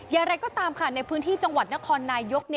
อย่างไรก็ตามค่ะในพื้นที่จังหวัดนครนายก